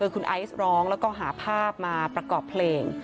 คุณไอซ์ร้องแล้วก็หาภาพมาประกอบเพลง